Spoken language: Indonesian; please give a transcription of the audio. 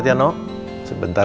tepat di sekianter